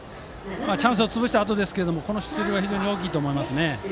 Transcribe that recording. チャンスを潰したあとですがこの出塁は大きいですね。